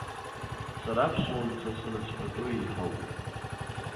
Сара аԥсуа мца саныҽҳәатәоу еиҳауп.